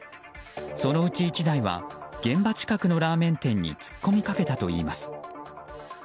そのうち１台は現場近くのラーメン店に突っ込みかけたといいます。